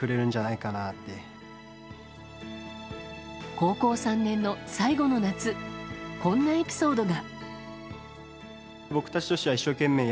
高校３年の最後の夏こんなエピソードが。